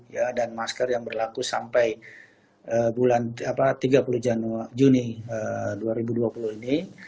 ya dan masker yang berlaku sampai bulan tiga puluh juni dua ribu dua puluh ini